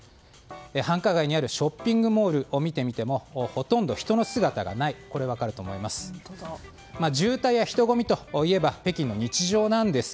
繁華街にあるショッピングモールを見てみてもほとんど人の姿がないのが分かると思います。